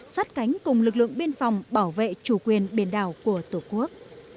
sát cánh cùng lực lượng biên phòng bảo vệ chủ quyền biển đảo của tổ quốc